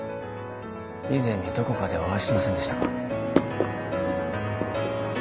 以前にどこかでお会いしませんでしたか？